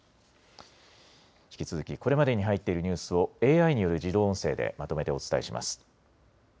引き続きこれまでに入っているニュースをＡＩによる自動音声でまとめてお伝えします。